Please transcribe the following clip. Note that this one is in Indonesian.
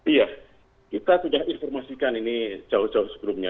iya kita sudah informasikan ini jauh jauh sebelumnya